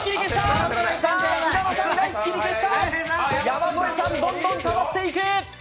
山添さん、どんどんたまっていく。